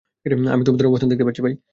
আমি তোমাদের অবস্থান দেখতে পাচ্ছি।